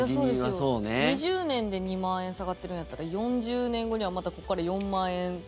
そうですよ、２０年で２万円下がってるんやったら４０年後にはまたここから４万円。